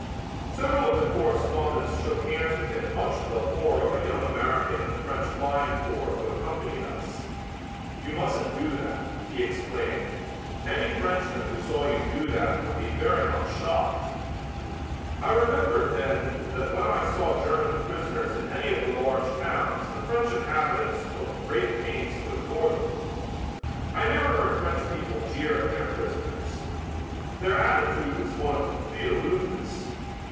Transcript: Several of the correspondents shook hands with him much to the horror of a young American in the French flying corps who accompanied us. "You mustn't do that," he explained. "Any Frenchman who saw you do that would be very much shocked." I remembered then that when I saw German prisoners in any of the large towns the French inhabitants took great pains to ignore them. I never heard French people jeer at their prisoners. Their attitude was one of complete aloofness.